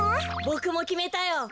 ボクもきめたよ。